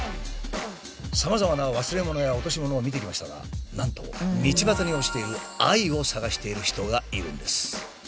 さまざまな忘れ物や落とし物を見てきましたがなんとを探している人がいるんです。